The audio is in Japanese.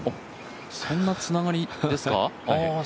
そんなつながりですか？